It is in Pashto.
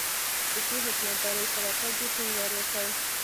د ښې حکومتدارۍ پر راتګ یې ټینګار وکړ.